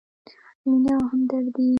مینه او همدردي: